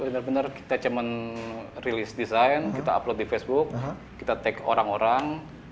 benar benar kita cuma release design kita upload di facebook kita tag orang orang